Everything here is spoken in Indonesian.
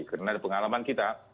karena dari pengalaman kita